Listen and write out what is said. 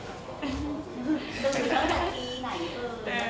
พิธีค่อยเช้า